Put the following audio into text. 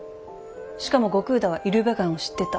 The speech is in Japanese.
しかも後工田はイルベガンを知ってた。